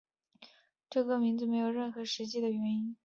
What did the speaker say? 这个名字没有任何实际的原因。